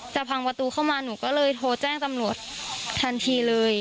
พังประตูเข้ามาหนูก็เลยโทรแจ้งตำรวจทันทีเลย